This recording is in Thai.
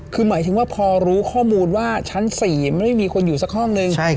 คือหมายถึงว่าพอรู้ข้อมูลว่าชั้น๔มันไม่มีคนอยู่สักห้องนึง